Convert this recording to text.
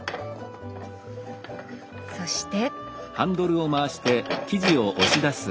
そして。